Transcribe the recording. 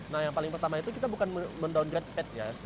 nah yang paling pertama itu kita bukan men downgrade speknya